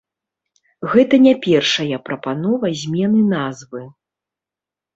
Гэта не першая прапанова змены назвы.